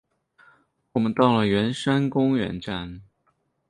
我们到了圆山公园站